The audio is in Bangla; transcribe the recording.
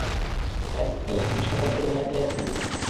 প্যাসকেল, আপনি শপথ গ্রহণে রাজী আছেন?